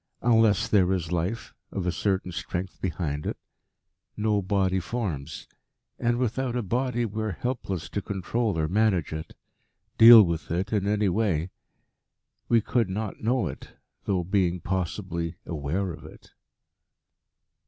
Unless there is life of a certain strength behind it, no body forms. And, without a body, we are helpless to control or manage it deal with it in any way. We could not know it, though being possibly aware of it."